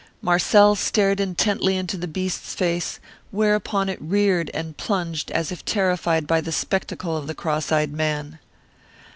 Marcel stared intently into the beast's face, whereupon it reared and plunged as if terrified by the spectacle of the cross eyed man.